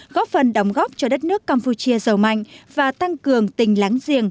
góp phần đóng góp cho đất nước campuchia giàu mạnh và tăng cường tình láng giềng